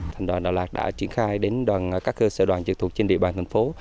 thành đoàn đà lạt đã triển khai đến các cơ sở đoàn trực thuộc trên địa bàn thành phố